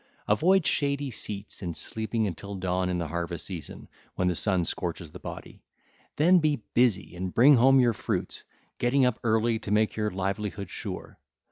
Avoid shady seats and sleeping until dawn in the harvest season, when the sun scorches the body. Then be busy, and bring home your fruits, getting up early to make your livelihood sure.